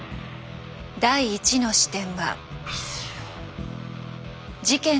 第１の視点は事件